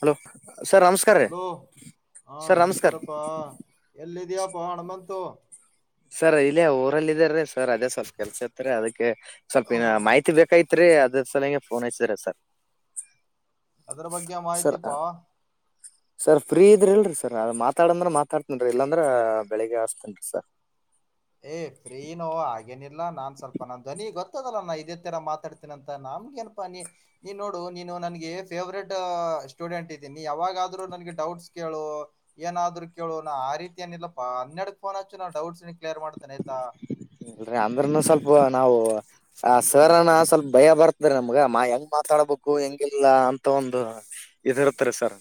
Hello sir ನಮಸ್ಕಾರ ರೀ hello ಹಾ ಸರ್ ನಮಸ್ಕಾರ ನಮಸ್ಕಾರಪ್ಪಾ ಎಲ್ಲಿದಯಪ್ಪಾ ಹಣ ಬಂತು ಸರ್ ಇಲ್ಲ ಊರಲ್ಲ ಇದಾರೀ ಸರ್ ಅದೇ ಸ್ವಲ್ಪ ಕೆಲ್ಸ ಇತ್ತ ಅದಕ್ಕೆ ಸ್ವಲ್ಪ ನ ಮಾಹಿತಿ ಬೇಕಾಯತ ತ್ರಿ ಅದೇ ಸಲಂಗೆ ಫೋನ್ ಹಸಿದ್ರ ಸರ್ ಅದ್ರ ಬಗ್ಗೆ ಸರ್ ಮಾಹಿತಿಪ ಸರ್ ಫ್ರೀ ಇದ್ರಿ ಇಲ್ರರಿ ಸರ್ ಅದ್ ಮಾತಾಡಂದ್ರ ಮಾತಾಡ್ತನ್ರಿ ಇಲ್ಲಾಂದ್ರ ಬೆಳಿಗ್ಗೆ ಹಸ್ತೇನ್ರಿ ಸರ್ ಏ್ ಫ್ರೀನೋ ಹಾಗೇನಿಲ್ಲಾನ್ ಸ್ವಲ್ಪ ನನ್ ಧ್ವನಿ ಗೊತ್ತದಲ್ಲ ನಾ ಇದೇ ತರ ಮಾತಾಡ್ತೀನಿ ಅಂತ ನಾ ನಮ್ಗೆನಪಾ ನೀ ನೀ ನೋಡು ನೀನು ನನ್ಗೆ ಫೇವ್ರೇಟ್ ಸ್ಟೂಡೆಂಟ್ ಇದ್ದೀನಿ ಯಾವಾಗಾದ್ರೂ ನನ್ಗೆ ಡೌಟ್ಸ್ ಕೇಳು ಏನಾದ್ರು ಕೇಳು ನ ಆ ರೀತಿ ಏನಿಲ್ಲಾ ಹನ್ನರಡ ಫೋನ್ ಹಚ್ಚು ನಾ ಡೌಟ್ಸ್ ಕ್ಲಿಯರ್ ಮಾಡ್ತೇನೆ ಆಯ್ತಾ ಇಲ್ರಿ ಅಂದ್ರನು ಸ್ವಲ್ಪ ನಾವು ಆ ಸರ ಸ್ವಲ್ಪ ಭಯ ಬರ್ತಾರೆ ನಮ್ಗ ಮಾ ಹೆಂಗ್ ಮಾತಾಡ್ಬೇಕು ಹೆಂಗಿಲ್ಲ ಅಂತ ಒಂದು ಇದರ್ತಾರೆ ಸರ್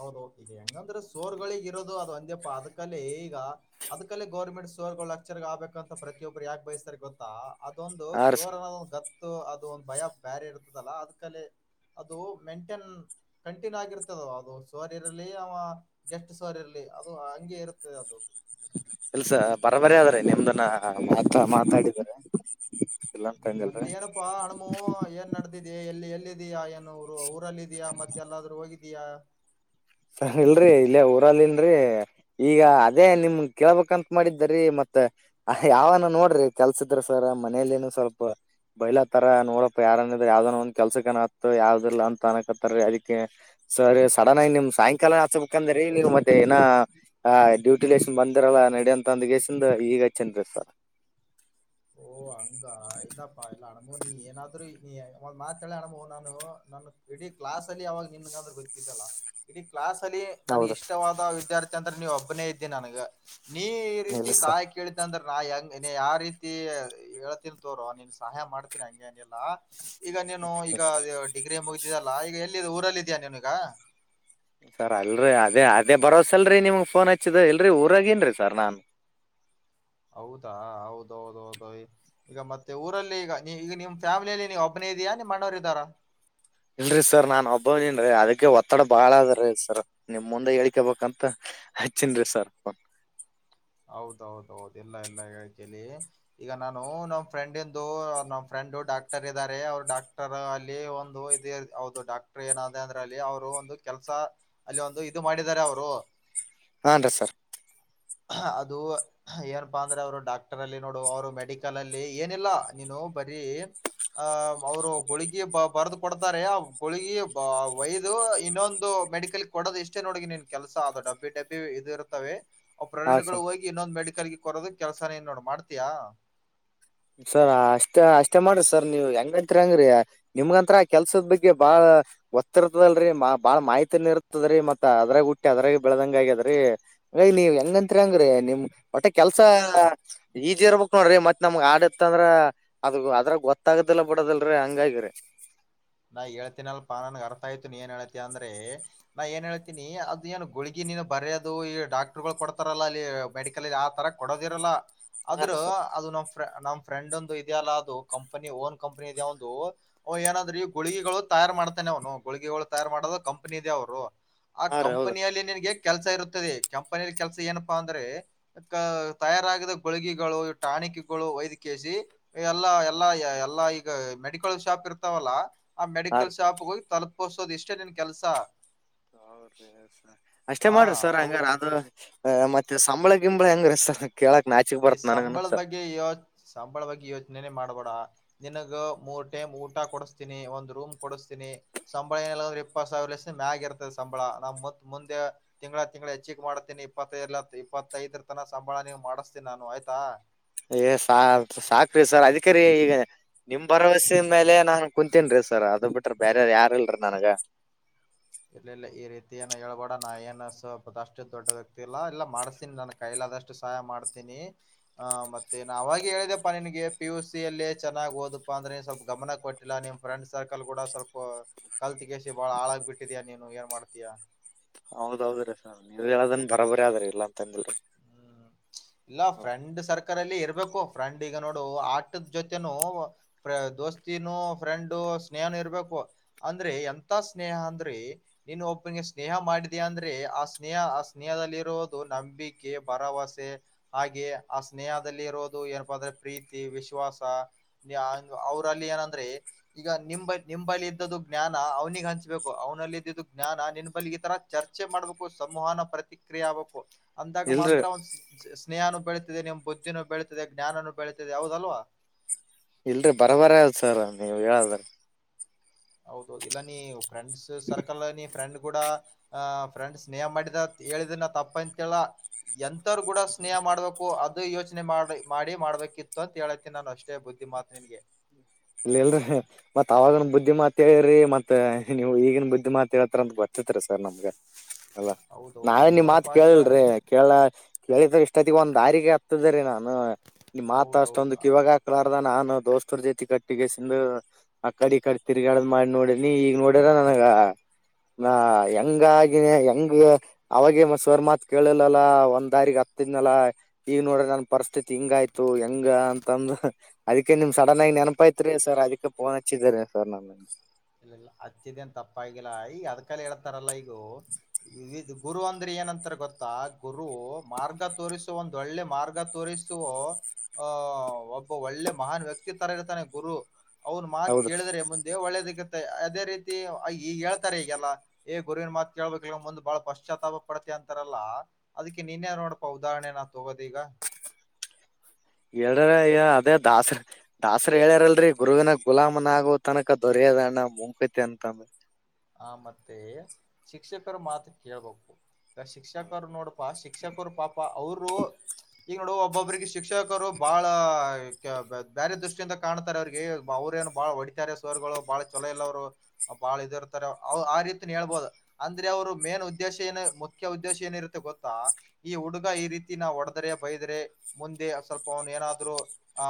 ಹೌದು ಈಗ ಹೆಂಗಂದ್ರೆ ಸೋರ್ಗಳಿಿಗೆ ಇರೋದು ಅದು ಅಂದಪ್ಪಾ ಅದಕಲ್ಲೇ ಈಗ ಅದ್ಕಲ್ಲೇ ಗೌರ್ಮೆಂಟ್ ಸೋರ್ಗಳು ಅಕ್ಷರ ಆಗ್ಬೇಕಂತ ಪ್ರತಿಯೊಬ್ರು ಯಾೆ ಬಯಸ್ತಾರೆ ಗೊತ್ತಾ ಅದೊಂದು ಆ ರೀ ಸೋರ ಸರ್ ಗತ್ತ ಅದು ಒಂದ್ ಭಯ ಬೇರೆ ಇರ್ತದಲ್ಲಾ ಅದ್ ಕಲೆ ಅದು ಮೆಂಟೇನ್ ಕಂಟಿನ್ಯೂ ಆಗಿರ್ತದ ಅದು ಸೋರಿ ಇರಲಿ ಅವ ಗೆಸ್ಟ್ ಸೋರಿ ಇರಲಿ ಅದು ಹಂಗೆ ಇರುತ್ತದೆ ಅದು ಕೆಲ್ಸ ಬರಬರ ಆದ್ರೆ ನಿಮ್ದನ್ನ ಮಾತ ಮಾತಾಡಿದಿದ್ದಾರೆ ್ಮ ಮತ್ತ ಏನಪ್ಪಾ ಹಣ್ಮು ಏನ್ ನಡದಿದ ಇದ ಎಲ್ಲಿ ಎಲ್ಲಿದೀಯಾ ಏನು ಊರಲ್ಲ ಇದಯಾ ಮತ್ತೆ ಎಲ್ಲಾದ್ರೂ ಹೋಗಿದೀಯಾ ಸರಿ ಇಲ್ರರಿ ಇಲ್ಲೇ ಊರಲ್ಲಿನ್ರರಿ ಈಗ ಅದೇ ನಿಮ ಕೇಳ್ಬೇಕಂತ ಮಾಡಿದ್ದರಿೀ ಮತ್ ಮತ್ತೆ ಯಾವನ ನೋಡ್ರಿ ಕೆಲ್ಸದ್ರ ಸರ ಮನೇಲಿನು ಸ್ವಲ್ಪ ಬೈಲತ್ತಾರ ನೋಡಪ್ಪ ಯಾರನಿದ್ರ ಯಾವ್ದನ್ ಒಂದ್ ಕೆಲ್ಸಕನತ್ತ ಯಾವ್ದಿಲ್ಲ ಅಂತ ಅನಕತ್ತಾರ ಅದಕ್ಕೆ ಸರ್ ರಿ ಸಡನ್ ಆಗಿ ನಿಮ್ದು ಸಾಯಂಕಾಲ ಹಚ್ಬೇಕಂದ್ರೀ ನೀವು ಮತ್ತೆ ಏನ ಡ್ಯೂಟೆಲಿಸಿ ಬಂದಿರಲ್ಲ ನಡಿ ಅಂತ ಅಂದಗೆಸಿ ಇಗ ಹೆಚ್ಚಿನ್ನ ರಿ ಸರ್ ಓ ಹಂಗ ಇಲ್ಲಪ್ಪಾ ಇಲ್ಲ ಅಣಬು ನೀ ಏನಾದ್ರು ನೀ ಒಂದ ಮಾತ ಹೇಳಿ ಅಣಬು ನಾನು ನ ಇಡ ಕ್ಲಾಸ್ ಅಲ್ಲಿ ಅವಾಗ ನಿಮಗಾದ್ರೆ ಗೊತ್ತಿತ್ತಲ್ಲ ಇಡೀ ಕ್ಲಾಸ್ ಅಲಿ ನನ್ಗ ಹೌದ್ರಿ ಇಷ್ಟವಾದ ವಿದ್ಯಾರ್ಥಿ ಅಂದ್ರೆ ನೀನ ಒಬ್ಬನೇ ಇದ್ದೀ ನನ್ಗ ನೀ ಈ ರೀತಿ ಇಲ್ಲ ಸರ್ ಸಹಾಯ ಕೇಳಿತ ಅಂದ್ರ ನಾ ಹೆಂಗ ಯಾವ ರೀತಿ ಹ ಹೇಳತೀನ್ ತೋರ ನೀನ್ ಸಹಾಯ ಮಾಡ್ತೀನಿ ಹಂಗೇನಿಲ್ಲಾ ಈಗ ನೀನು ಈಗ ಡಿಗ್ರಿ ಮುಗತಿ ಇದೆಯಲ್ಲ ಈಗ ಎಲ್ಲಿದ್ದ ಊರಲ್ಲ ಇದ್ಯಾ ಇವಾಗ ಸರ್ ಅಲ್ರರಿ ಅದೇ ಅದೇ ಬರೋಸಲ್ರರಿ ನಿಮ್ಗ್ ಫೋನ್ ಹಚ್ಚಿದ ಇಲ್ರರಿ ಊರಾಗನ್ರರಿ ಸರ್ ನಾನ್ ಹೌದಾ ಹೌದೌದ ಹೌದು ಈಗ ಮತ್ತೆ ಊರಲ್ಲಿ ಈಗ ಈಗ ನಿಮ್ ಫ್ಯಾಮಿಲಿಯಲ್ಲಿ ನೀವು ಒಬ್ಬನೇ ಇದೆಯಾ ನಿಮ್ಮ ಅಣ್ಣರು ಇದ್ದಾರಾ ಇಲ್ರರಿ ಸರ್ ನಾನ್ ಒಬ್ಬನ್ರರಿ ಅದಕ್ಕೆ ಒತ್ತಡ ಬಾಳ ಅದ್ರೀ ಸರ್ ನಿಮ್ ಮುಂದೆ ಹೇಳ್ಕೇ ಬೇಕಂತ ಹಚ್ಚಿನ್ ರಿ ಸರ್ಪ್ಪ [unintelligible] ಹೌದೌದ ಹೌದು ಇಲ್ಲ ಎಲ್ಲ ಹೇಳ್ತೀನಿ ಈಗ ನಾನು ನಮ್ಮ ಫ್ರೆಂಡ್ಂದು ನಮ್ಮ ಫ್ರ್ [unintelligible] ಅಲ್ಲಿಯೂ ಡಾಕ್ಟರ್ ಇದಾರೆ ಅವರು ಡಾಕ್ಟರ್ ಅಲ್ಲಿ ಒಂದು ಇದ ಒವರದು ಡಾಕ್ಟರ್ ಏನ ಅಂದ್ರ ಅಲ್ಲಿ ಅವರು [unintelligible] ಕೆಲಸಾ ಅಲ್ಲಿ ಒಂದು ಇದು ಮಾಡಿದ್ದಾರೆ ಅವರು [unintelligible] ಹಾಂ ರೀ ಸರ್ ಅದು ಏನಪ್ಪಾ ಅಂದ್ರೆ ಅವರು ಡಾಕ್ಟರ್ ಅಲ್ಲಿ ನೋಡು ಅವರು ಮೆಡಿಕಲ್ ಅಲ್ಲಿ ಏನಿಲ್ಲಾ ನೀನು ಬರಿ ಆಹ ಅವ್ರು ಗೋಳಗಿ ಬ ಬರದು ಕೊಡ್ತಾರೆ ಆ ಗೋಳಗಿ ವಯದು ಇನ್ನೊಂದು ಮೆಡಿಕಲ್ ಕೊಡೋದು ಇಷ್ಟೇ ನೋಡ ನಿನ್ ಕೆಲಸ ಅ ಡಬ್ಬಿ ಡಬ್ಬಿ ಇ ಇರ್ತವೆ ಅವ ಹಾ ಪೋಡಕ್ಟ್ ಗಳು ಸರ್ ಹೋಗಿ ಇನ್ನೊಂದು ಮೆಡಿಕಲ್ಗೆ ಕೊರೋದು ಕೆಲ್ಸಾನ ನ್ ನೋಡ್ ಮಾಡ್ತಯಾ ಸರ್ ಅಷ್ಟ ಅಷ್ಟೇ ಮಾಡರ ಸರ್ ನೀವ್ ಹೆಂಗಂತರಿ ಅಂಗ್ರಿ ನಿಮ್ಗಂತ್ರ ಕೆಲ್ಸದ ಬಗ್ಗೆ ಬಾಳ ಒತ್ತಿರ್ತದಲ್ರರಿ ಬಾಳ್ ಮಾಹಿತಿನು ಇರ್ತದ್ರೀ ಮತ್ತ ಅದ್ರಾಗ ಹುಟ್ಟಿ ಅದ್ರಾಗ ಬೆಳದಂಗ ಆಗ್ಯದ್ರೀ ಅಂಗ ನೀವ್ ಹೆಂಗತ್ರಿ ಹಂಗ್ರರಿ ನಿಮ್ ಹೊಟ್ಟೆ ಕೆಲ್ಸ ಈಜಿ ಇರ್ಬೇಕ್ ನೋಡ್ರಿ ಮತ್ ನಮ್ಗ್ ಆ ಇತ್ತ ಅಂದ್ರ ಅದು ಅದ್ರ ಗೊತ್ತಾಗದಿಲ್ಲ ಬಿಡದಲ್ರಿ ಹಂಗಾಗರಿ ನಾ ಹೇಳ್ತೀನಲ್ಪಾ ನನ್ಗ್ ಅರ್ಥ ಆಯತು ನೀ ಏನ್ ಹೇತೀ ಅಂದ್ರೆ ನಾ ಏನ್ ಹಳ್ತೀನಿ ಅದ ಏನ್ ಗುಳಗಿ. [unintelligible] ನೀನ್ ಬರೆಯೋದು ಈ ಡಾಕ್ಟ್ರ್ ಗಳು ಕೊಡ್ತಾರಲ್ಲಾ ಅಲ್ಲಿ ಮೆಡಿಕಲ್ಲಗೆ ಆತರ ಕೊಡೋದಿರಲ್ಲ? [unintelligible] ಹಾ ರೀ ಅದ್ರು ಸರ್ ಅದ ನಮ್ಮ [unintelligible] ನಮ್ಮ ಫ್ರೆಂಡ್ ಇದೆ ಅಲ್ಲಾ ಅದು ಕಂಪನಿ ಓನ್ ಕಂಪನಿ ಇದೆ ಅವಂದು ಅವ ಏನಾದರಿ, [unintelligible] ಗುಳಿಗೆಗಳು ತಯಾರ ಮಾಡ್ತಾನನೆ ಅವನು ಗುಳಿಗೆಗಳು ತಯಾರ ಮಾಡೋದು ಕಂಪನಿ ಇದೆ ಅವರು, - [unintelligible] ಆ ಹಾ ರೀ ಹೌದು ಕಂಪನಿಯಲ್ಲಿ ನಿನಗೆ [unintelligible] ಕೆಲಸ ಇರುತ್ತದೆ ಕಂಪನಿ ಕೆಲಸ ಏನಪ್ಪಾ ಅಂದ್ರೆ ಈಗ ತಯಾರಾಗಿದ ಗುಳಿಗೆಗಳು ಸ್ಟಾಕ [unintelligible] ನಿಕಗಳು ಒಯದಿ ಕ್ಯಾಸಿ ಎಲ್ಲಾ ಎಲ್ಲಾ ಎಲ್ಲಾ ಈಗ ಮೆಡಿಕಲ್ ಶಾಪ್ ಇರ್ತಾವಲ್ಲ, [unintelligible] ಆ ಹಾ ರೀ ಮೆಡಿಕಲ್ ಶಾಪ್ ಹೋಗಿ ತಲುಪೋಸೋದು ಇಷ್ಟೇ ನಿನ್ ಕೆಲಸಾ [unintelligible] ಹೌರೀ ಸರ್ ಅಷ್ಟೇ ಆ ಮಾಡ್ರಿ ಸರ್ ಅವು ಹಂಗಾರ ಆದ [unintelligible] ಹ ಮತ್ತೆ ಸಂಬಳ ಗಿಂಬಳ ಹೆಂಗ ರಿ ಸರ್, [unintelligible] ನಾಚಿಕ್ ಈ ಬರತ್ ನನಗನು ಸಂಬಳದ ಸರ್ ಬಗ್ಗೆ ಯೋಚ ಸಂಬಳ ಬಗ್ಗೆ ಯೋಚನೆ ಮಾಡಬೇಡಾ? ನಿನಗ್ ಮೂರ್ ಟೈಮ್ ಊಟ ಕೊಡಿಸ್ತೀನಿ ಒಂದು ರೂಮ್ ಕೊಡಿಸಸ್ತೀನಿ ಸಂಬಳ ಏನಇಲ್ಲಂದ್ರ ಇಪ್ಪತ್ತ ಸಾವಿರ ಅಸ ಮ್ಯಾಗ ಇರ್ತದೆ ಸಂಬಳ ನಮ್ ಮ್ಮು ಮುಂದೆ ತಿಂಗಳ ತಿಂಗಳ ಹೆಚ್ಚಿಗೆ ಮಾಡ್ತೀನಿ ಇಪ್ಪತ್ತ ಇಪ್ಪತ್ತೈದರ್ [unintelligible] ನಾ ಸಂಬಳ ನಿನಗ ಮಾಡಿಸ್ತೀನಿ ನಾನು ಆಯ್ತಾ? ಏ ಸಾ ಸಾಕ್ರೀ ಸರ್ ಅದೀಕೆ ರಿ ಈಗ, [unintelligible] ನಮ್ಮ ಭರವಸೆ ಮೇಲೆ ನಾನ್ ಕುಂತನ್ರೀ ಸರ್ ಅದ ಬಿಟ್ರ ಬೇರೆ ಯಾರ್ ಇಲ್ರಿ ನನಗ [unintelligible] ಇಲ್ಲ ಇಲ್ಲ ಈ ರೀತಿ ಏನು ಹೇಳ್ಬೋಡ ನಾ ಏನ್ ಸ್ವಪ ಅಷ್ಟು ದೊಡ್ಡ ವ್ಯಕ್ತಿ ಇಲ್ಲಾ ಇಲ್ಲ ಮಾಡಸ್ತಿನಿ ನನ್ ಕೈಲ [unintelligible] ಆದಷ್ಟು ಸಹಾಯ ಮಾಡ್ತೀನಿ ಆ ಮತ್ತೆ ನಾ ಅವಾಗ ಹೇಳಿದಪ್ಪ ನಿನಗೆ ಪಿಯುಸಿ ಅಲ್ಲೇ ಚನ್ನಾಗಿ ಓದ ಮುಂದಕ್ಕ ಬಾ ಅಂದ್ರೆ ಸ್ವಲ್ಪ ಗಮನ ಕೊಟ್ಟಿಲ್ಲ ನಿಮ್ ಫ್ರೆಂಡ್ ಸರ್ಕಲ್ ಕೂಡ ಸ್ವಲ್ಪ ಕಲ್ತಗಿಸಿ ಬಾಳ ಹಾಳಾಗಿ ಬಿಟ್ಟಿ [unintelligible] ಇದ್ದೀಯ ನೀನು ಏನ್ ಮಾಡ್ತೀಯಾ? [unintelligible] ಹೌದ ಹೌದ ರೀ ಸರ್ ನೀವ ಹೇಳದ ಬರೋಬರಿ ಆದದ್ರ ಇಲ್ಲಾ ಅಂತಂದಿಲ್ರಿ. [unintelligible] ಹ್ಮ್ ಇಲ್ಲ ಹ್ಮ್. ಫ್ರೆಂಡ್ ಸರ್ಕಲ್ ಅಲ್ಲಿ ಇರ್ಬೇಕು? [unintelligible] ಫ್ರೆಂಡ್ ಈಗ ನೋಡು ಆಟದ ಜೊತೆನು ಪೇರ್ ದೋಸ್ತಿನು ಫ್ರೆಂಡ್ ಸ್ನೇಹನು ಇರ್ಬೇಕು. [unintelligible] ಅಂದ್ರೆ ಎಂತ ಸ್ನೇಹ ಅಂದ್ರೆ ನೀನು ಒಬ್ಬನಿಗೆ ಸ್ನೇಹ ಮಾಡಿದಯಾ ಅಂದ್ರೆ ಆ ಸ್ನೇಹಾ [unintelligible] ಆ ಸ್ನೇಹದಲ್ಲಿರುವುದು ನಂಬಿಕೆ ಭರವಸೆ, [unintelligible] ದೇ ಹಾಗೆ ಆ ಸ್ನೇಹದಲ್ಲಿ ಇರೋದು ಏನಪ್ಪ ಅಂದ್ರೆ ಪ್ರೀತಿ ವಿಶ್ವಾಸ, ಏ ಹಾಂಗ್ [unintelligible] ಅವರಲ್ಲಿ ಏನಂದ್ರೆ ಈಗ ನಿಮ್ ನಿಮ್ಮ ಬಳಿ ಇದ್ದದು ಜ್ಞಾನ ಅವ್ನಿಗೆ ಹಂಚ್ಬೇಕು ಅವನಲ್ಲಿ ಇದ್ದಿದ್ದು, [unintelligible] ಜ್ಞಾನ ನಿನ್ ಬಳಿ ಈತರಾ ಚರ್ಚೆ ಮಾಡ್ಬೇಕು ಸಂವಹನ ಪ್ರತಿಕ್ರಿಯೆ ಆಗ್ಬೇಕು ಅಂದಾಗ ಇಲ್ರಿ ಮಾತ್ರ ಒಂದ [unintelligible] ಸ್ನೇಹನು ಬೆಳೀತಿದೆ ನಿಮ್ಮ ಬುದ್ಧಿನೂ ಬೆಳೀತಿದೆ ಜ್ಞಾನನು ಬೆಳೀತದೆ ಹೌದಲ್ಲೋ? ಇಲ್ರರಿ ಬರಬರ ಅದ ಸರ್ ನೀವ ಹೇಳದರಲ್ಲಿ [unintelligible] ಹೌದು ಹೌದು ಇಲ್ಲ ನೀ ಫ್ರೆಂಡ್ಸ್ ಸರ್ಕಲ್ ನೀ ಫ್ರೆಂಡ್ ಕೂಡ ಅ ಫ್ರೆಂಡ್ ಸ್ನೇಹ ಮಾಡಿದ ಹೇಳಿದನ ತಪ್ಪ ಅಂತಿಯಲ್ಲ? ಎಂತರು ಕೂಡ ಸ್ನೇಹ ಮಾಡಬೇಕು ಅದು ಯೋಚನೆ ಮಾಡ ಮಾಡಿ ಮಾಡ್ಬೇಕಿತ್ತು ಅಂತ ಹೇಳತನಿ ನಾನು ಅಷ್ಟೇ ಬುದ್ಧಿ. ಮಾತ್ ನಿಂಗೆ. [unintelligible] ಇಲ್ಲ ಇಲ್ಲ ರೀ ಮತ್ತ ಅವಾಗನ ಬುದ್ಧಿಮಾತೆ ಇರಿ ಮತ್ತ ನೀವ ಈಗಿನ್ ಬುದ್ಧಿಮಾತ ಹೇಳ್ತಾರ ಅಂತ ಗೊತ್ತ. [unintelligible] ವಿಚಿತ್ರ ಇದೆ ಸರ್ ನಮ್ಗೆ ಅಲ್ಲ ಹೌದೌದು ನಾವೇ ಈಗ ನಿಮ್ಮ ಮಾತ್ ನೋಡಪ್ಪಾ ಈಗ ಕೇಳಲ್ರಿ ಕೇಳ [unintelligible] ಲೈಫ್ ನ್ಯಾಗ್ ಇಷ್ಟೊತ್ತಗ ಒಂದ ದಾರಿಗೆ ಹತ್ತಿದೇ ರೀ ನಾನು ನಿಮ್ಮ ಮಾತ್ ಅಷ್ಟೊಂದು ಹೌದೌದು ಕಿವಾಗ ಹಾಕ್ಲಾರ್ದ ನಾನ [unintelligible] ಅ ದೋಸ್ತರ್ ಜತಿ ಕಟ್ ಒಟ್ಟಿಗೆಸಂದು ಅಕಡಿ ಈಕಡಿ ತಿರ್ಗಾಡದ್ ಮಾಡ್ ನೋಡೀನಿ ಈಗ್ ನೋಡ್ಯಾರ ನನಗ ನಾ ಹೆಂಗಾಗಿನೇ ಹೆಂಗ ಅವಾಗೆ ಮ ಸರ್ ಮಾತ್ ಕೇಳಿಲ್ಲಲ್ಲ ಒಂದಾರಿಗೆ [unintelligible] ತಿದ್ನಲ್ಲ ಈಗ ನೋಡ್ರಿ ನನ್ನ ಪರಿಸ್ಥಿತಿ ಹಿಂಗ ಆಯ್ತು ಹೆಂಗ ಅಂತಂದ ಅದಕ್ಕೆ ನಿಮ್ಮ ಸಡನ್ ಆಗಿ ನೆನಪಾಯತ [unintelligible] ರಾತ್ರಿ ಸರ್ ಅದಕ್ಕೆ ಫೋನ್ ಹಚ್ಚಿದೆ ರೀ ಸರ್ ನಾನ [unintelligible] ಇಲ್ಲ ಇಲ್ಲ ಹಚ್ಚಿದನ್ ತಪ್ಪ ಆಗಿಲ್ಲಾ ಈಗ ಅಧಿಕಾರಿ ಹೇಳ್ತಾರಲ್ಲಾ ಇದು ಈದ ಗುರು ಅಂದ್ರಿ, ಏನಂತ ಗೊತ್ತಾ ಗುರು ಮಾರ್ಗ ತೋರಿಸು ಒಂದ ಒಳ್ಳೆ ಮಾರ್ಗ ತೋರಿಸು [unintelligible] ಓ ಒಬ್ಬ ಒಳ್ಳೆ ಮಹಾನ್ ವ್ಯಕ್ತಿ ತರ ಇರ್ತಾನೆ ಗುರು ಅವರ ಮಾತ್ ಹೌದ ಕೇಳಿದ್ರೆ ಮುಂದೆ ಒಳ್ಳೇದಕೆ ಅದೇ ರೀತಿ ಈಗ ಹೇಳ್ತಾರೆ ಈಗೆಲ್ಲಾ ಏ ಗುರುವಿನ ಮಾತ ಕೇಳ್ಬೇಕ ಲೋ ಮುಂದ ಬಹಳ ಪಶ್ಚಾತಾಪ ಪಡತಿಯಾ? [unintelligible] ಅಂತಾರಲ್ಲ ಅದಿಕ್ಕೆ ನೀನೆ ನೋಡ್ಕೊ ಉದಾಹರಣೆ ಏನ್ ಹಾಕೋಬೌದ್ ಈಗ [unintelligible] ಹೇಳ್ರ ಈಗ ಅದೇ ದಾಸರ್ ದಾಸ್ರ ಹೇಳ್ಯಾರಲ್ರಿ ಗುರುವಿನ ಗುಲಾಮನಾಗುವ ತನಕ ದೊರೆ ಯದಣ್ಣ [unintelligible] ಮುಕ್ತಿ. ಆ ಮತ್ತೆ ಶಿಕ್ಷಕರ ಮಾತು ಕೇಳ್ಬೇಕು. ಗ ಶಿಕ್ಷಕರ್ ನೋಡ್ಪಾ ಶಿಕ್ಷಕರು ಪಾಪ ಅವ್ರೂ ಈಗ್ ನೋಡು ಒಬ್ಬೊಬ್ಬ್ರಿಗೆ ಶಿಕ್ಷಕರು ಬಾಳ ಕ್ಯ ಬ್ಯ ಬ್ಯಾರೆ ದೃಷ್ಟಿಯಿಂದ ಕಾಣ್ತಾರೆ ಅವ್ರಿಗೆ ಬ್ರೆ ಏನು ಬಾಳ ಒಡಿತಾರ ಸರ್ಗಳು ಬಾಳ ಚಲೊ ಇಲ್ಲ ಅವ್ರು ಬಾಳ ಇದಿರ್ ತರ ಔ ಆ ರೀತೀನು ಹೇಳ್ಬೋದು ಅಂದ್ರೆ ಅವ್ರು ಮೇನ್ ಉದ್ದೇಶ ಏನ ಮುಖ್ಯ ಉದ್ದೇಶ ಏನಿರುತ್ತೆ ಗೊತ್ತಾ ಈ ಹುಡುಗ ಈ ರೀತಿ ನಾ ಹೊಡದ್ರೆ ಬೈದ್ರೆ ಮುಂದೆ ಸ್ವಲ್ಪ ಅವ್ನ್ ಏನಾದ್ರು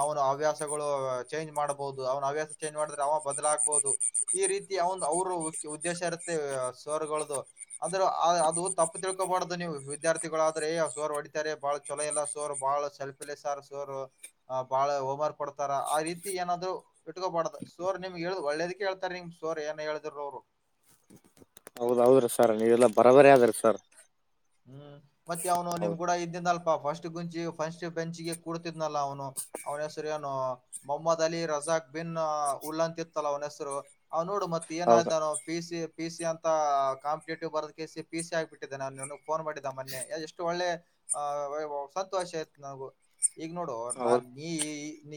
ಅವ್ನು ಹವ್ಯಾಸ ತಗೊಳೊ ಚೇಂಜ್ ಮಾಡ್ಬೌದು, ಅವ್ನ್ ಹವ್ಯಾಸ ಚೇಂಜ್ ಮಾಡುದ್ರೆ ಅವ ಬದಲಾಗ್ಬೌದು ಈ ರೀತಿ ಔಂದ್ ಅವರು ಉದ್ದೇಶ ಇರುತ್ತೆ ಸರ್ಗಳ್ದು ಆದ್ರ ಅದು ತಪ್ಪು ತಿಳ್ಕೋಬಾರ್ದು ನೀವು ವಿದ್ಯಾರ್ಥಿಗಳಾದ್ರ ದೇ ಆ ಸರ್ ಹೊಡಿತಾರೆ ಬಹಳ ಚೊಲೋ ಇಲ್ಲ ಸೋರ್ ಬಹಳ ಸೆಲ್ಫಿಶ್ ಆ ಸೋರು ಆ ಬಹಳ ಹೋಮ್ ವರ್ಕ್ ಕೊಡ್ತಾ ತಾರ ಆ ರೀತಿ ಏನಾದ್ರೂ ಇಟ್ಕೋಬಾರ್ದ್. ಸೋರ್ ನಿಮ್ಗ್ ಹೇಳ ಒಳ್ಳೇದಕ್ಕೆ ಹೇಳ್ತಾರ್ ನಿಮ್ ಸೋರ್ ಏನೆ ಹೇಳಿದ್ರುನು ಅವ್ರು. [inaudible] ಹೌದ್ ಹೌದ್ರಿ ಸರ್ ನೀವೆಲ್ಲಾ ಬರಬರಿ ಅದಿರಿ ಸರ್. ಹ್ಮ್ ಮತ್ತೆ ಅವನು ನಿಮ್ ಹೌದ್ ಕೂಡ ಇದ್ದಿದ್ನಲ್ ಅ ಫಸ್ಟ್ ಗುಂಚಿ ಫಸ್ಟ್ ಬೆಂಚ್ಗೆ ಕೂರ್ತಿದ್ನಲ್ಲ ಅವ್ನು, ಅವ್ನ್ ಹೆಸ್ರ್ ಏನು ಮೊಹಮ್ಮದ್ ಅಲಿ ರಸ್ ದಾಕ್ ಬಿನ್ ಉಲ್ಲಂತಿತ್ತಲ್ಲ ಅವ್ನ್ ಹೆಸರು ಅವ್ ನೋಡು ಮತ್ ಹೌದ ಏನಾಯ್ತಾನೋ ಪಿ ಸಿ ಪಿ ಸಿ ಅಂತ ಕಾಂಪಿಟೇಟಿವ್ ಬರ್ದ್ ಕೆಸಿ ಪಿ ಸಿ ಆಗಿಬಿಟ್ಟಿದ್ದಾನ್ ನಾನು ಫೋನ್ ಮಾಡಿದ್ದ ಮೊನ್ನೆ ಎಷ್ಟು ಒಳ್ಳೆ ಆ ಊ ಸಂತೋಷ ಆಯ್ತ್ ನಂಗೂ ಈಗ್ ನೋಡು ನಾನ್ ಹೌದ್ ಈ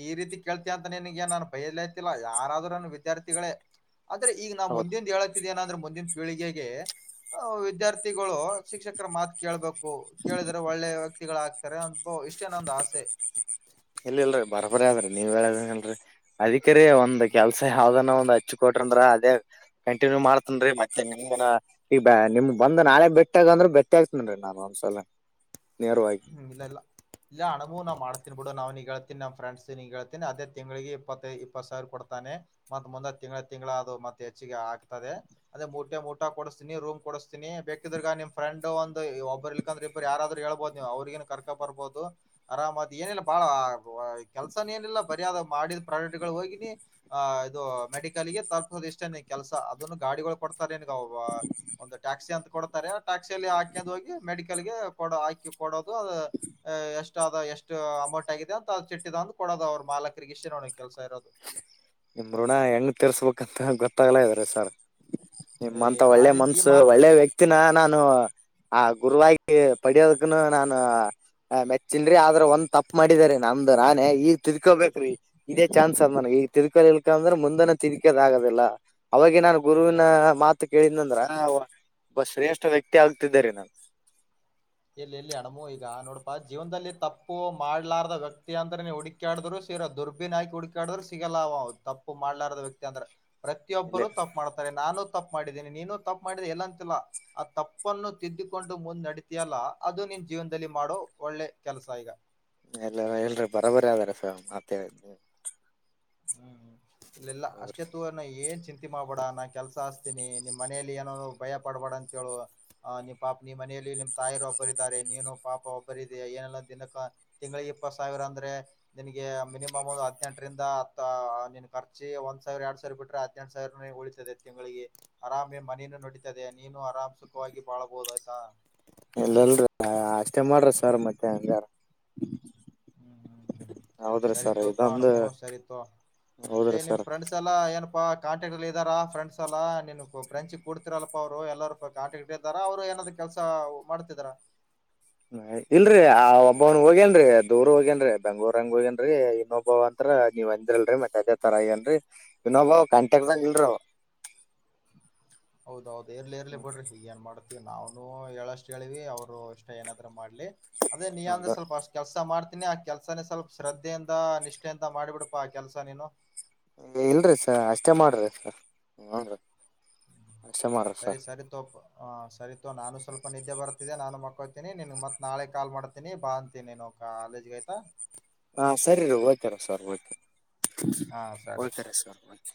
ಈ ರೀತಿ ಕೇಳ್ತೀಯ ಅಂತನೆ ನಿಂಗೆ ನಾನ್ ಬೈಲತಿಲ್ಲ ಯಾರಾದ್ರೂ ನಂಗ್ ವಿದ್ಯಾರ್ಥಿಗಳೇ. ಆದ್ರೆ ಈಗ್ ನಾ ಹೌದ್ ಮುಂದಿಂದ್ ಹೇಳತಿದ್ ಏನಂದ್ರೆ ಮುಂದಿನ್ ಪೀಳಿಗೆಗೆ ಆ ವಿದ್ಯಾರ್ಥಿಗಳು ಶಿಕ್ಷಕ್ ಕರ್ ಮಾತ್ ಕೇಳ್ಬೇಕು, ಕೇಳಿದ್ರೆ ಒಳ್ಳೆ ವ್ಯಕ್ತಿಗಳಾಗ್ತಾರೆ ಅನ್ಕೊ ಇಷ್ಟೇ ನಂದ್ ಆಸೆ. ಇಲ್ ಇಲ್ರಿ ಬರಬರಿ ಆದ್ರಿ ನೀವ್ ಹೇಳದಲ್ರಿ ಅದಿಕೆ ರೀ ಒಂದ್ ಹ್ಮ್ ಕೆಲ್ಸ ಯಾವ್ದಾನ ಒಂದ್ ಹಚ್ ಕೊಟ್ ಟ್ರಂದ್ರ ಅದೇ ಕಂಟಿನ್ಯೂ ಮಾಡ್ತೀನ್ರಿ ಮತ್ತೆ ನಿಮ್ಗೇನ ಈ ಬ ನಿಮ್ಗ್ ಬಂದ್ ನಾಳೆ ಭೇಟ್ಟಿ ಆಗುಂದ್ರ ಭೆಟ್ಟಿ ಆಗ್ತಿನ್ರಿ ನಾನು ಒಂದ್ಸಲ. ನೇರವಾಗಿ ಹ್ಮ್ ಇಲ್ಲ ಇಲ್ಲ ಇಲ್ಲ ಅಣಗು ನಮ್ ಮಾಡ್ತೀನ್ ಬಿಡು ನಾವ್ ನೀಗ್ ಹೇಳ್ತೀನ್ ನಮ್ ಫ್ರೆಂಡ್ಸ್ ನೀಗ ಹೇಳ್ತಿನಿ ಅದೇ ತಿಂಗ್ಳಿಗೆ ಇಪ್ಪತ್ತೈ ಇಪ್ಪತ್ ಸಾವಿರ ಕೊಡ್ತಾನೆ ಮತ್ ಮತ್ ತ ತಿಂಗ್ಳ ತಿಂಗ್ಳ ಅದು ಮತ್ತೆ ಹೆಚ್ಚಿಗೆ ಆಗ್ತದೆ ಅದೆ ಡ್ಯೂಟ್ಟಾಗ್ ಊಟ ಕೊಡುಸ್ತೀನಿ ರೂಮ್ ಕೊಡುಸ್ತೀನಿ ಬೇಕಿದ್ರೆ ಈಗ ನಿಮ್ ಫ್ರೆಂಡ್ ಒಂದು ಒಬ್ರು ಇಲ್ಕಂದ್ರಿಬ್ರು ಯಾರಾದ್ರು ಹೇಳ್ಬೌದ್ ನೀವ್ ಅವ್ರ್ ಗೇನೆ ಕರ್ಕ ಬರ್ಬೌದು ಆರಾಮದು ಏನಿಲ್ಲ ಬಾಳ ಕೆಲ್ಸಾನು ಏನಿಲ್ಲ ಬರೆ ಅದು ಮಾಡಿ ಇದ್ ಪ್ರೈವೇಟ್ಗಳುಗೋಗಿನೆ ಅ ಇದು ಮೆಡಿಕಲ್ ಗೆ ತಪ ಇಷ್ಟೇನೆ ಕೆಲಸ ಅದುನು ಗಾಡಿಗುಳ್ ಕೊಡ್ತಾರೆ ಏನ್ ಅವ್ವ ಒಂದು ಟ್ಯಾಕ್ಸಿ ಅಂತ ಕೊಡ್ತಾರೆ ಟ್ಯಾಕ್ಸಿಯಲ್ಲಿ ಹಾಕ್ಯೊಂಡ್ ಹೋಗಿ ಮೆಡಿಕಲ್ ಗೆ ಕೊಡೊ ಹಾಕಿ ಕೊಡೋದು ಅದು ಎಷ್ಟದ ಎಷ್ಟು ಅಮೌಂಟ್ ಆಗಿದ್ಯಾ ಅಂತ ಆ ಚಿಟ್ಟಿ ತಂದ್ ಕೊಡೋದು ಅವ್ರು ಮಾಲಕರಿಗೆ [unintelligible] ಕೊಡ ಕೆಲ್ಸ ಇರೋದು. ನಿಮ್ ಋಣ ಹೆಂಗ್ ತೀರಿಸ್ಬೇಕಂತ ಗೊತ್ತಾಗ್ಲೆ ಇದರೆ ಸರ್ ಏ ನಿಮ್ಮಂತ ಆ ಒಳ್ಳೆ ರೀತಿ ಈ ಮನ್ಸು ಮಾತ ಒಳ್ಳೆ ವ್ಯಕ್ತಿನ ನಾನು ಆ ಗುರುವಾಗಿ ಪಡ್ಯೋದುಕ್ಕೂನು ನಾನು ಹ ಮೆಚ್ಚಿನ್ರೀ ಆದ್ರ ಒಂದ್ ತಪ್ ಮಾಡಿದೆ ರೀ ನಮ್ದು ನಾನೇ ಈಗ ತಿದ್ಕೋಬೇಕ್ರಿ ಇದೇ ಚಾನ್ಸ್ ಅದ್ ನನಗೆ ಈ ತಿರ್ಕೋ ಇಳ್ಕ ಅಂದ್ರೆ ಮುಂದನ [unintelligible] ಅವಾಗ ನಾನು ಇರ್ಲಿ ಗುರುವಿನ ಇರ್ಲಿ. ಮಾತು ಕೇಳಿದ್ನ ಅಂದ್ರ ಶ್ರೇಷ್ಠ ವ್ಯಕ್ತಿ ಆಗ್ತಿದ್ದೇರಿ ನಾನು ಇಲ್ ಇಲ್ಲಿ ಅಣಮು ಈಗ ನೋಡ್ಪಾ ಜೀವನ್ದಲ್ಲಿ ತಪ್ಪು ಮಾಡ್ಲಾರ್ದ ವ್ಯಕ್ತಿ ಅಂದ್ರೆ ನೀ ಹುಡುಕ್ಯಾಡಿದ್ರು ತಿರ ದುರ್ಬಿನಾಯ್ಕ್ ಹುಡುಕಾಡಿದ್ರು ಸಿಗಲ್ಲ ಅವ ತಪ್ಪು ಮಾಡ್ಲಾರದ ವ್ಯಕ್ತಿ ಅಂದ್ರೆ ಇಲ್ಲ ಪ್ರತಿಯೊಬ್ಬರು ತಪ್ ಮಾಡ್ತಾರೆ ನಾನು ತಪ್ ಮಾಡಿದ್ದೀನಿ. ನೀನು ತಪ್ ಮಾಡಿದಿ ಎಲ್ಲಂತಿಲ್ಲ ಆ ತಪ್ಪನ್ನು ತಿದ್ದಿಕೊಂಡು ಮುಂದ್ ನಡಿ ಇದ್ಯಲ್ಲ ಅದು ನಿನ್ ಜೀವನದಲ್ಲಿ ಮಾಡೋ ಒಳ್ಳೆ ಕೆಲಸ ಈಗ. ಎಲ್ಲ ಹೇಳ್ರಿ ಬರೋಬರಿ ಅದಾರ ಸರ್ ಮತ್ತೆ [unintelligible] ಹ್ಮ್ ಇಲ್ಲಿಲ್ಲ ಅಷ್ಟೇ ತೂ ಅನ್ನ ಏನ್ ಚಿಂತ್ ರೀತಿ ಮಾಡ್ಬೇಡ ನಾನ್ ಕೆಲಸ ಹಚ್ತೀನಿ ನಿಮ್ ಮನೇಲಿ ಏನಾರು ಭಯ ಪಡ್ಬೇಡ ಅಂತ್ ಹೇಳು ಅ ನಿಮ್ ಪ ನಿಮ್ ಮನೆ ಲ್ಲಿ ನಿಮ್ ತಾಯಿರು ಒಬ್ಬರ ಇದಾರೆ ನೀನು ಪಾಪ ಒಬ್ಬರ ಇದ ಏನೆಲ್ಲ ದಿನಕ್ಕ ತಿಂಗಳಿಗೆ ಇಪ್ಪತ್ ಸಾವಿರ ಅಂದ್ರೆ ನಿನ್ಗೆ ಮಿನಿಮಮ್ ಹದಿನೆಂಟ್ ರಿಂದ ಆ ನಿನ್ ಖರ್ಚು ಒಂದ್ ಸಾವಿರ ಎರಡ್ ಸಾವಿರ ಬಿಟ್ರೆ ಹದಿನೆಂಟ್ ಸಾವಿರ ಉಳಿತದೆ ತಿಂಗಳಿಗೆ ಆರಾಮೇ ಮನಿ ನುಡೀತದೆ ನೀನು ಆರಾಮ್ ಸುಖವಾಗಿ ಬಾಳಬಹುದು ಆಯ್ತಾ ಇಲ್ಲಲ್ರಿ ಅಷ್ಟೇ ಮಾಡ್ರಿ ಸರ್ ಮತ್ತೆ ಹಂಗ ಹ್ಮ ಸರಿತೋಪ ಅ [unintelligible] ಣ ಸರಿತ ಮತ್ತೆ ಹೌದ್ರಿ ಸರ್ ನಿಮ್ ಫ್ರೆಂಡ್ಸ್ ಎಲ್ಲಾ ಏನ ತುಬಾ ಕಾಂಟಾಕ್ಟ್ ಅಲ್ಲಿ ಇದ್ದಾರ ಫ್ರೆಂಡ್ಸ್ ಎಲ್ಲಾ ನಿನ್ ಫ್ರೆಂಡ್ಸ್ ಕೊಡ್ತಿರಲ್ಲಪ್ಪಾ ಅವರು ಎಲ್ಲರು ಕಾಂಟಾಕ್ಟ್ ಇದ್ದಾರ ಅವ್ರು ಇನ್ನೊಂದು ಕೆಲಸ ಮಾಡ್ತಿದಾರಾ ಇಲ್ರಿ ಆ ಒಬ್ಬವನ್ ಹೋಗೇನ್ರಿ ದೂರ್ ಹೋಗ್ಯೇನ್ರಿ ಬೆಂಗಳೂರು ಹಂಗ್ ಹೋಗ್ಯೇನ್ರಿ ಇನ್ನೊಬ್ಬಾವ ಮಾತ್ರ ನೀವ್ ಅಂದ್ರಲ್ ಮತ್ತೆ ಅದೇತರ ಆಗೇನ್ರಿ ಇನೋಬಾ ಕಂಟ್ಯಾಕ್ಟ್ ದಾಗ ಇಲ್ರಿ ಅವ ಹೌದೌದ್ ಇರ್ಲಿ ಇರ್ಲಿ ಬಿಡ್ರಿ ಹೀಗ್ ಏನ್ ಮಾಡ್ತತಿವಿ ನಾವನು ಹೇಳಷ್ಟ್ ಹೇಳಿವಿ ಅವ್ರು ಇಷ್ಟ ಏನಾದ್ರೂ ಮಾಡ್ ಎ ಅದೇ ನೀ ಅದ್ರ್ ಹೌದ ಸ್ವಲ್ಪ ಅಷ್ಟ್ ಕೆಲಸ ಮಾಡ್ ಆ ಕೆಲ್ಸನೆ ಸ್ವಲ್ಪ ಶ್ರದ್ಧೆಯಿಂದ ನಿಷ್ಠೆಯಿಂದ ಮಾಡಿಬಿಡ್ಪಾ ಆ ಕೆಲಸ ನೀನು ಇಲ್ರಿ ಸರ್ ಅಷ್ಟೇ ಮಾಡ್ರಿ ಸರ್ ನೋಡ್ರಿ ಸರಿ ಸರಿತೋಪ್ ಸರಿತೋ ನಾನು ಸ್ವಲ್ಪ ನಿದ್ದೆ ಬರ್ತ ನಾನು ಮಲ್ಕೊಂತೀನಿ ನಿನಗ್ ಮತ್ ನಾಳೆ ಕಾಲ್ ಮಾಡ್ತೀನಿ ಬಾ ಅಂತೀನಿ ನೀನು ಕಾಲೇಜ್ ಆಯತಾ ಹಾ ಸರಿ ರೀ ಓಕೆ ರೀ ಸರ್ ಹಾ ಸರಿ ತೋ ಓಕೆ ರೀ ಸರ್ ಓಕೆ